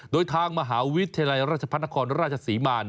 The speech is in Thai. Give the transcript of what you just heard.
โดยทางมหาวิทยาลัยรัชพัธนภรรณราชสีมาร